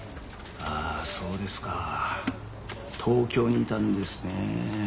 そうですか東京にいたんですね。